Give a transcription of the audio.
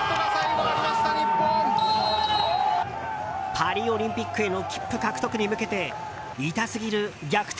パリオリンピックへの切符獲得に向けて痛すぎる逆転